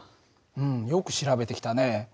うんよく調べてきたね。